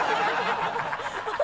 ハハハ